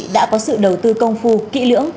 đã có sự đầu tư công phu kỹ lưỡng